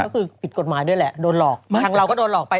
ก็คือผิดกฎหมายด้วยแหละโดนหลอกมาทางเราก็โดนหลอกไป